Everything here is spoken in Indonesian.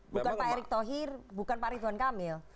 bukan pak erick thohir bukan pak ridwan kamil